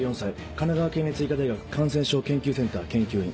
神奈川県立医科大学感染症研究センター研究員。